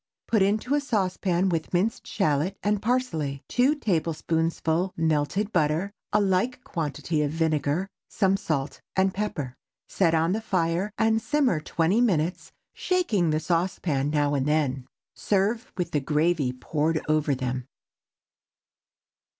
Put into a saucepan with a minced shallot and parsley, two tablespoonfuls melted butter, a like quantity of vinegar, some salt and pepper. Set on the fire and simmer twenty minutes, shaking the saucepan now and then. Serve with the gravy poured over them.